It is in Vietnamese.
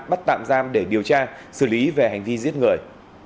bắt tạm giam để điều tra xử lý về hành vi giết người